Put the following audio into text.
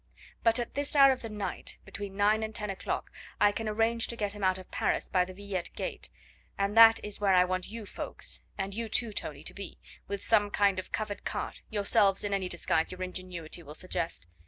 But at this hour of the night, between nine and ten o'clock, I can arrange to get him out of Paris by the Villette gate, and that is where I want you, Ffoulkes, and you, Tony, to be, with some kind of covered cart, yourselves in any disguise your ingenuity will suggest.